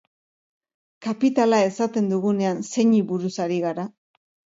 Kapitala esaten dugunean zeini buruz ari gara?